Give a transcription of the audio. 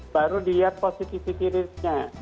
baru dilihat positivity rate nya